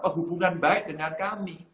hubungan baik dengan kami